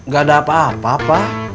gak ada apa apa pak